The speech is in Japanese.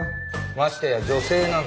ましてや女性なんて。